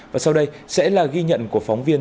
và sau đây sẽ là ghi nhận của phóng viên